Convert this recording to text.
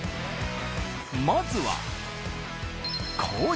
［まずは］